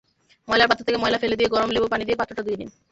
ময়লার পাত্র থেকে ময়লা ফেলে দিয়ে গরম লেবু-পানি দিয়ে পাত্রটা ধুয়ে নিন।